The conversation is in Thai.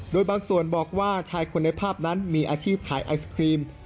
โดยบางส่วนบอกว่าชายคนในภาพนั้นมีอาชีพขายไอศครีม